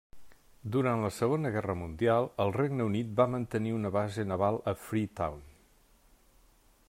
Durant la Segona Guerra Mundial el Regne Unit va mantenir una base naval a Freetown.